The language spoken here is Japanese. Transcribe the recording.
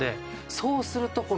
そうするとへえ！